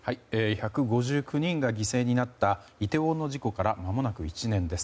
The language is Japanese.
１５９人が犠牲になったイテウォンの事故から間もなく１年です。